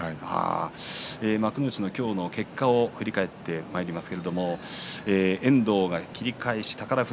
幕内の今日の結果を振り返っていきます。